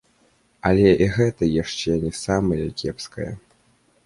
Але і гэта яшчэ не самае кепскае.